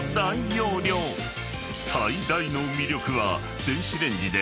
［最大の魅力は］